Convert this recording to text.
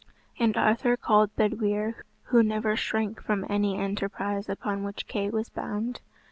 And Arthur called Bedwyr, who never shrank from any enterprise upon which Kay was bound.